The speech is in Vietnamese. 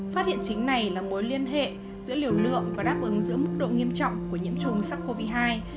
phát hiện chính này là mối liên hệ giữa liều lượng và đáp ứng giữa mức độ nghiêm trọng của nhiễm trùng sắc covid một mươi chín